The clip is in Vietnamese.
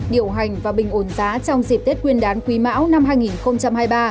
điều hành và bình ổn giá trong dịp tết quyên đán quý mão năm hai nghìn hai mươi ba